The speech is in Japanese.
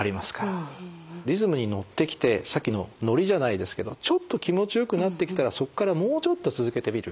リズムにのってきてさっきのノリじゃないですけどちょっと気持ちよくなってきたらそこからもうちょっと続けてみる。